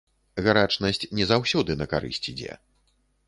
Гарачнасць не заўсёды на карысць ідзе.